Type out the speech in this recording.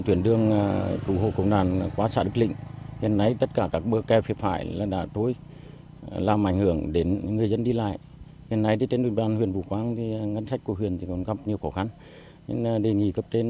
thông thường hàng năm vũ quang thường xảy ra bão lũ vào tháng một mươi một mươi một